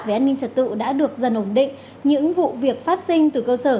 về an ninh trật tự đã được dần ổn định những vụ việc phát sinh từ cơ sở